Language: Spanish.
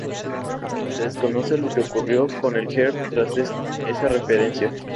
Se desconoce lo que ocurrió con el ger tras esa referencia.